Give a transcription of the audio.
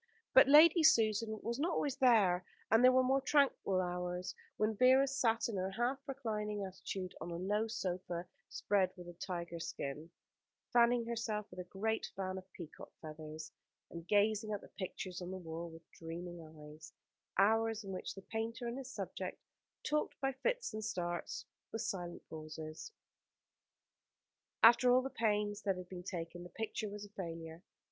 But Lady Susan was not always there; and there were more tranquil hours, when Vera sat in her half reclining attitude on a low sofa spread with a tiger skin, fanning herself with a great fan of peacock's feathers, and gazing at the pictures on the wall with dreaming eyes: hours in which the painter and his subject talked by fits and starts with silent pauses. After all the pains that had been taken, the picture was a failure.